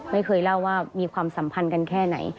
ไม่เคยเล่าว่ามีความสัมพันธ์กันแค่ไหน